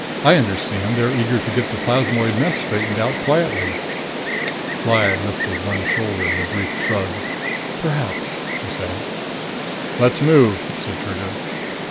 I understand they're very eager to get the plasmoid mess straightened out quietly." Lyad lifted one shoulder in a brief shrug. "Perhaps," she said. "Let's move!" said Trigger.